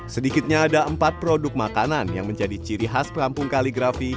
sedikitnya ada empat produk makanan yang menjadi ciri khas kampung kaligrafi